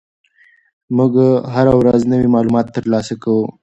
موږ هره ورځ نوي معلومات ترلاسه کوو.